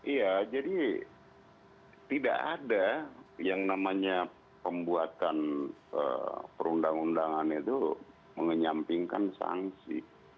iya jadi tidak ada yang namanya pembuatan perundang undangan itu menyampingkan sanksi